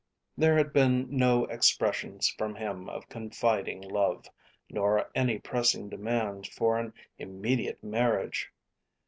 There had been no expressions from him of confiding love, nor any pressing demands for an immediate marriage.